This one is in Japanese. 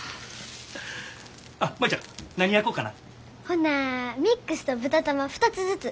ほなミックスと豚玉２つずつ！